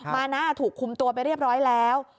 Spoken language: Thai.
มานะถูกคุมตัวไปเรียบร้อยแล้ว